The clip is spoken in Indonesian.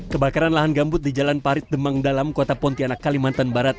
kebakaran lahan gambut di jalan parit demang dalam kota pontianak kalimantan barat